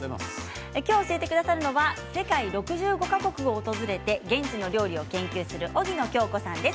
今日、教えてくださるのは世界６５か国を訪れて現地の料理を研究する荻野恭子さんです。